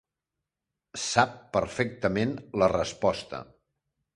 Sap perfectament la resposta.